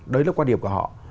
đấy là quan điểm của họ